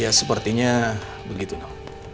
ya sepertinya begitu no